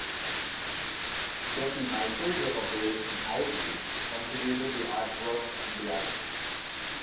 Jesse Michaels of Operation Ivy contributed the artwork on the album.